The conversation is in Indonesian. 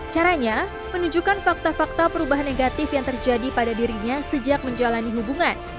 caranya menunjukkan fakta fakta perubahan negatif yang terjadi pada dirinya sejak menjalani hubungan